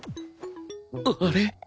あれ？